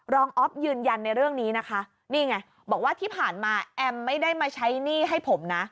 อ๊อฟยืนยันในเรื่องนี้นะคะนี่ไงบอกว่าที่ผ่านมาแอมไม่ได้มาใช้หนี้ให้ผมนะ